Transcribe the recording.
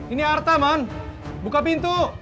ini arta man buka pintu